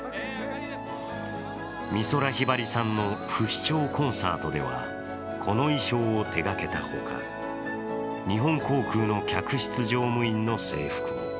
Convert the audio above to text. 美空ひばりさんの不死鳥コンサートでは、この衣装を手がけたほか、日本航空の客室乗務員の制服。